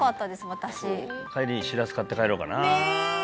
私帰りにしらす買って帰ろうかなねえ！